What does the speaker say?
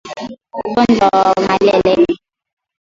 Ugonjwa wa malale